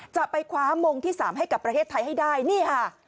จะไปคว้ามงที่๓ให้กับประเทศไทยให้ได้นี่ค่ะ